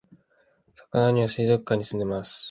さかなは水族館に住んでいます